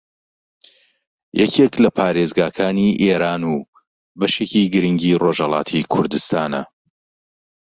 یەکێک لە پارێزگاکانی ئێران و بەشێکی گرینگی ڕۆژھەڵاتی کوردستانە